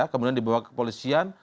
kemudian dibawa kepolisian